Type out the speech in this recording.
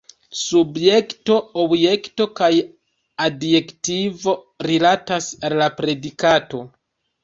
Subjekto, objekto kaj adjektivo rilatas al la predikato.